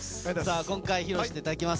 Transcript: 今回、披露していただきます